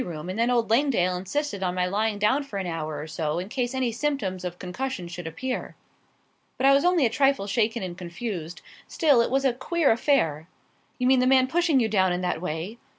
room, and then old Langdale insisted on my lying down for an hour or so in case any symptoms of concussion should appear. But I was only a trifle shaken and confused. Still, it was a queer affair." "You mean the man pushing you down in that way?"